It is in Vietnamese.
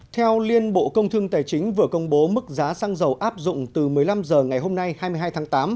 theo liên bộ công thương tài chính vừa công bố mức giá xăng dầu áp dụng từ một mươi năm h ngày hôm nay hai mươi hai tháng tám